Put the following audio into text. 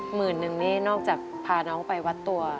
หมื่นนึงนี่นอกจากพาน้องไปวัดตัว